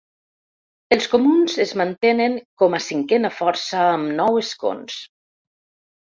Els comuns es mantenen com a cinquena força amb nou escons.